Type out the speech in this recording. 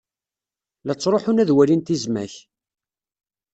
La ttruḥun ad walin tizmak.